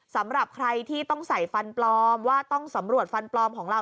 สำหรับใครที่ต้องใส่ฟันปลอมว่าต้องสำรวจฟันปลอมของเรา